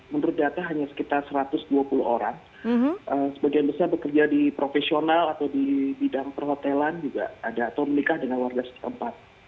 menurut data hanya sekitar satu ratus dua puluh orang sebagian besar bekerja di profesional atau di bidang perhotelan juga ada atau menikah dengan warga setempat